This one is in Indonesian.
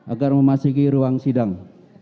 agar memasuki ruang sidang